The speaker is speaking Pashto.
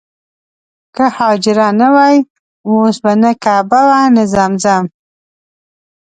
که حاجره نه وای اوس به نه کعبه وه نه زمزم.